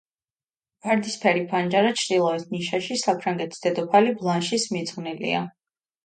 ვარდისფერი ფანჯარა ჩრდილოეთ ნიშაში საფრანგეთის დედოფალი ბლანშის მიძღვნილია.